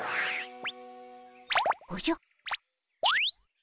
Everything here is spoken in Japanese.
おじゃ？